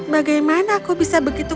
bagaimana aku bisa begitu